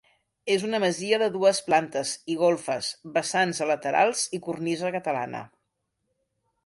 És una masia de dues plantes i golfes, vessants a laterals i cornisa catalana.